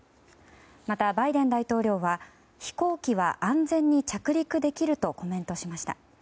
また、バイデン大統領は飛行機は安全に着陸できるとコメントしました。